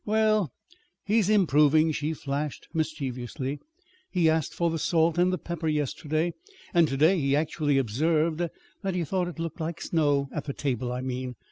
"Well, he's improving," she flashed mischievously. "He asked for the salt and the pepper, yesterday. And to day he actually observed that he thought it looked like snow at the table, I mean.